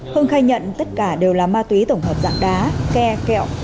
hưng khai nhận tất cả đều là ma túy tổng hợp dạng đá ke kẹo